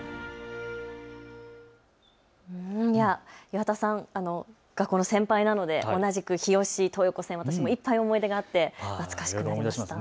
岩田さん、学校の先輩なので同じく日吉、私もいっぱい思い出があっていろいろ思い出しました。